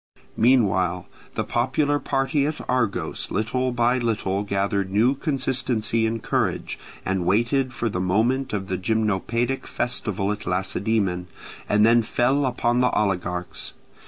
Meanwhile the popular party at Argos little by little gathered new consistency and courage, and waited for the moment of the Gymnopaedic festival at Lacedaemon, and then fell upon the oligarchs.